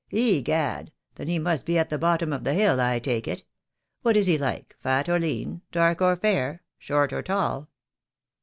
"Egad, then he must be at the bottom of the hill, I take it. What is he like — fat or lean, dark or fair, short or tall?"